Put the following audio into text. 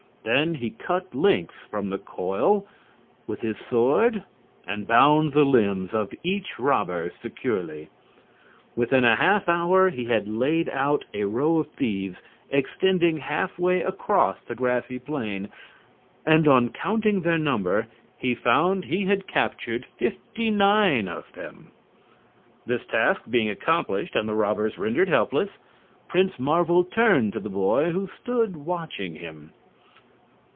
Then he cut lengths from the coil with his sword and bound the limbs of each robber securely. Within a half hour he had laid out a row of thieves extending half way across the grassy plain, and on counting their number he found he had captured fifty nine of them. This task being accomplished and the robbers rendered helpless, Prince Marvel turned to the boy who stood watching him.